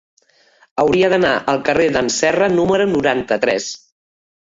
Hauria d'anar al carrer d'en Serra número noranta-tres.